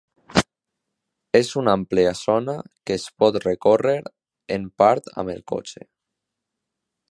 És una àmplia zona que es pot recórrer en part amb el cotxe.